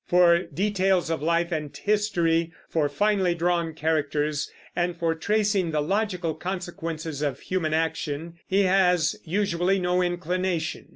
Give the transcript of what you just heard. For details of life and history, for finely drawn characters, and for tracing the logical consequences of human action, he has usually no inclination.